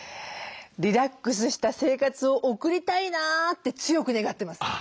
リラックスした生活を送りたいなって強く願ってます。